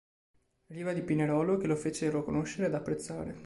Riva di Pinerolo, che lo fecero conoscere ed apprezzare.